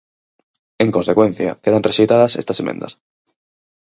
En consecuencia, quedan rexeitadas estas emendas.